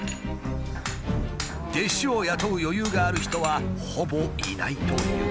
弟子を雇う余裕がある人はほぼいないという。